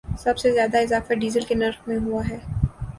سب سے زیادہ اضافہ ڈیزل کے نرخ میں ہوا ہے